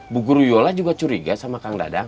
bu guru yola juga curiga sama kang dadang